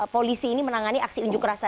polisi ini menangani aksi unjuk rasa